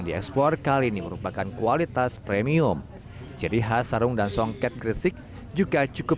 diekspor kali ini merupakan kualitas premium ciri khas sarung dan songket gresik juga cukup